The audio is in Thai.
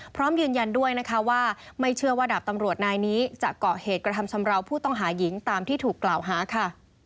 พร้อมยืนยันด้วยนะคะว่าไม่เชื่อว่าดาบตำรวจนายนี้จะเกาะเหตุกระทำชำราวผู้ต้องหาหญิงตามที่ถูกกล่าวหาค่ะ